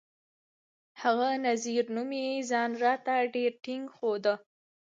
هغه نذير نومي ځان راته ډېر ټينګ ښوده.